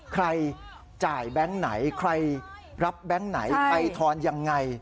ใครจ่ายแบงค์ไหนใครรับแบงค์ไหนใครทอนยังไง